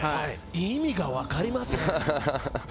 意味がわかりません。